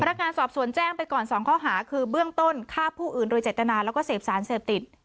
นักงานสอบสวนแจ้งไปก่อน๒ข้อหาคือเบื้องต้นฆ่าผู้อื่นโดยเจตนาแล้วก็เสพสารเสพติด